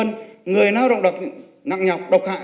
người nào động đọc nặng nhọc